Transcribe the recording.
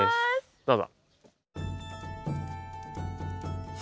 どうぞ。